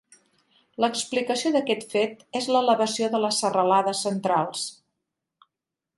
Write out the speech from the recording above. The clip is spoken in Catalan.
L"explicació d"aquest fet és l"elevació de les serralades centrals.